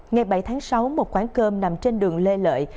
ngày bảy tháng sáu một quán cơm nằm trên đường lê lợi